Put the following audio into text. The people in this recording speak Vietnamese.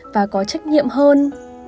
và có trách nhiệm hơn